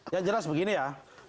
yang jelas begini ya